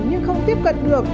nhưng không tiếp cận được